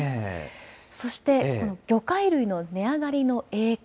そしてこの魚介類の値上がりの影響。